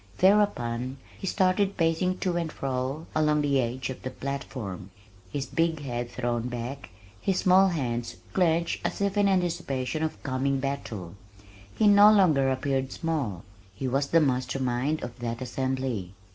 Thereupon he started pacing to and fro along the edge of the platform, his big head thrown back, his small hands clenched as if in anticipation of coming battle. He no longer appeared small. His was the master mind of that assembly.